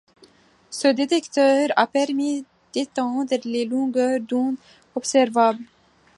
Ce détecteur a permis d'étendre les longueurs d'onde observables.